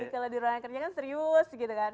kalau di ruangan kerja kan serius gitu kan